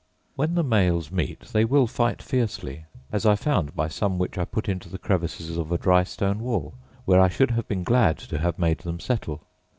When the males meet they will fight fiercely, as I found by some which I put into the crevices of a dry stone wall, where I should have been glad to have made them settle.